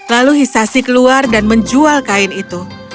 lalu hisasi keluar dan menjual kain itu